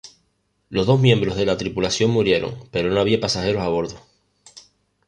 Los dos miembros de la tripulación murieron, pero no había pasajeros a bordo.